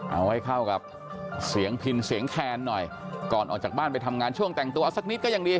เอาให้เข้ากับเสียงพินเสียงแคนหน่อยก่อนออกจากบ้านไปทำงานช่วงแต่งตัวสักนิดก็ยังดี